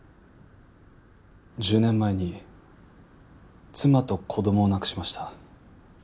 １０年前に妻と子供を亡くしました。